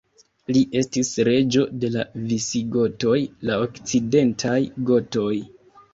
Li estis reĝo de la visigotoj, la okcidentaj gotoj.